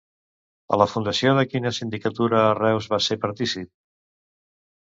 A la fundació de quina sindicatura a Reus va ser partícip?